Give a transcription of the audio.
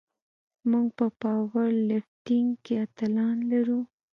موږ په پاور لفټینګ کې اتلان لرو.